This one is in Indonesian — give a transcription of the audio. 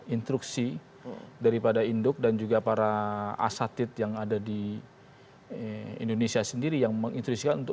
instruksi daripada induk dan juga para asatid yang ada di indonesia sendiri yang mengintrisikan untuk